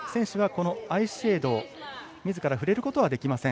選手はこのアイシェードをみずから触れることができません。